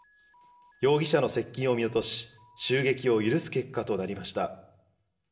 容疑者の接近を見落とし、襲撃を許す結果となりました。